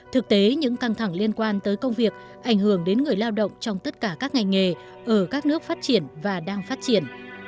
thực tế những căng thẳng liên quan tới công việc ảnh hưởng đến người lao động trong tất cả các ngành nghề ở các nước phát triển và đang phát triển